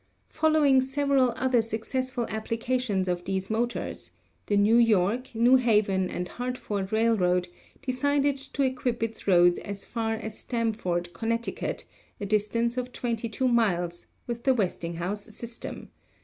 Following several other successful applications of these motors, the New York, New Haven & Hartford Railroad decided to equip its road as far as Stamford, Conn., a dis tance of 22 miles, with the Westinghouse system.